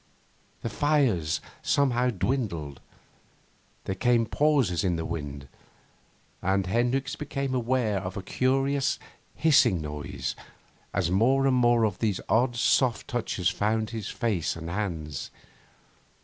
The fires somehow dwindled; there came pauses in the wind; and Hendricks became aware of a curious hissing noise, as more and more of these odd soft touches found his face and hands.